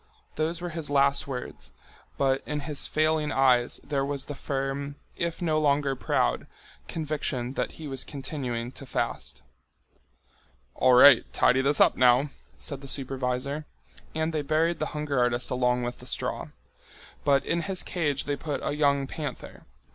Those were his last words, but in his failing eyes there was the firm, if no longer proud, conviction that he was continuing to fast. "All right, tidy this up now," said the supervisor. And they buried the hunger artist along with the straw. But in his cage they put a young panther.